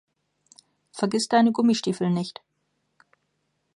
Vergiss deine Gummistiefel nicht!